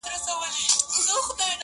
ماویل زه به د سپېدو پر اوږو.!